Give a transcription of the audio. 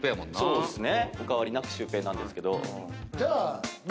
そうですね。